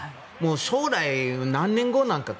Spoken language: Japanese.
将来、何年後なんかを